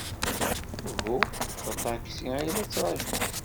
Uhu, d aṭaksi ay la ttṛajuɣ.